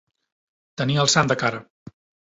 Tenir el sant de cara.